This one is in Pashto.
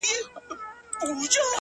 څه په هنر ريچي ـ ريچي راته راوبهيدې-